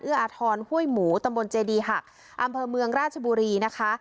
อาทรห้วยหมูตำบลเจดีหักอำเภอเมืองราชบุรีนะคะ